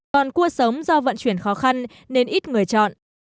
còn cua sống do vận chuyển khó khăn nên ít người chọn